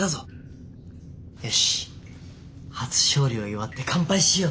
よし初勝利を祝って乾杯しよう！